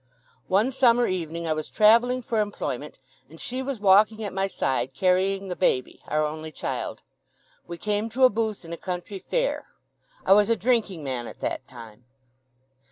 One summer evening I was travelling for employment, and she was walking at my side, carrying the baby, our only child. We came to a booth in a country fair. I was a drinking man at that time."